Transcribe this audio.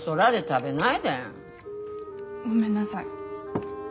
ごめんなさい。